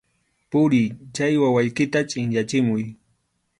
¡Puriy, chay wawaykita chʼinyachimuy!